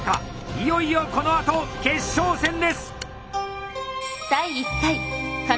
いよいよこのあと決勝戦です！